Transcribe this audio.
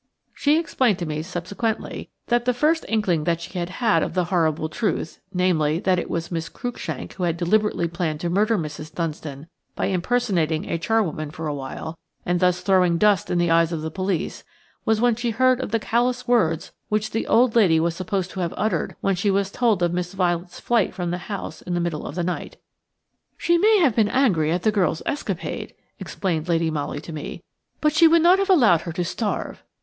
She explained to me subsequently that the first inkling that she had had of the horrible truth–namely, that it was Miss Cruikshank who had deliberately planned to murder Mrs. Dunstan by impersonating a charwoman for a while, and thus throwing dust in the eyes of the police–was when she heard of the callous words which the old lady was supposed to have uttered when she was told of Miss Violet's flight from the house in the middle of the night. "She may have been very angry at the girl's escapade," explained Lady Molly to me, "but she would not have allowed her to starve.